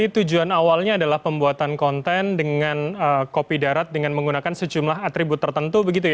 tujuan awalnya adalah pembuatan konten dengan kopi darat dengan menggunakan sejumlah atribut tertentu begitu ya